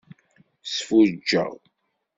Sfuǧǧeɣ.